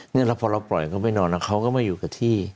แล้วพอเราปล่อยเขาไปนอนแล้วเขาก็ไม่อยู่กับที่